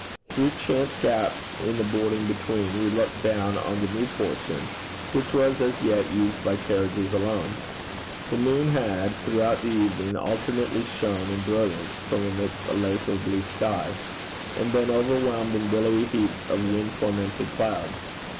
Through chance gaps in the boarding between, we looked down on the new portion which was as yet used by carriages alone. The moon had, throughout the evening, alternately shone in brilliance from amidst a lake of blue sky, and been overwhelmed in billowy heaps of wind tormented clouds.